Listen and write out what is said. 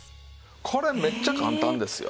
これめっちゃ簡単ですよ。